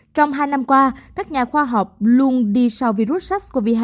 trong hai năm qua các nhà khoa học luôn đi sau virus sars cov hai